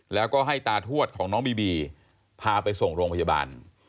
แล้วก็ให้ตาทวดของน้องบีบีพาไปส่งโรงพยาบาล